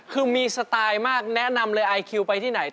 คือมีสไตล์มากแนะนำเลยไอคิวไปที่ไหน